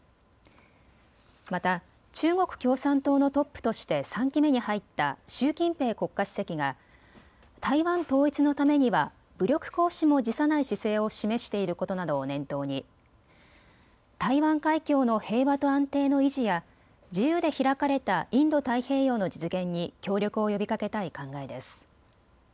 また中国共産党のトップとして３期目に入った習近平国家主席が台湾統一のためには武力行使も辞さない姿勢を示していることなどを念頭に台湾海峡の平和と安定の維持や自由で開かれたインド太平洋の実現に協力を呼びかけたい考えです。